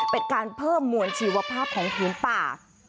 เป็นการเพิ่มมวลชีวภาพของพื้นป่า